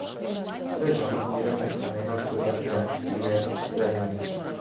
Tres homes miren fixament els turons grans i verds de lluny.